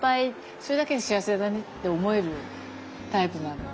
それだけで幸せだねって思えるタイプなので。